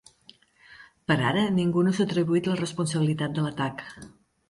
Per ara, ningú no s’ha atribuït la responsabilitat de l’atac.